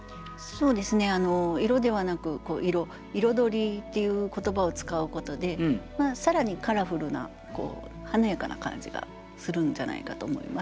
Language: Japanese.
そうですね「色」ではなく「彩」「彩り」っていう言葉を使うことで更にカラフルな華やかな感じがするんじゃないかと思います。